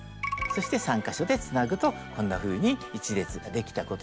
そして３か所でつなぐとこんなふうに１列ができたことになります。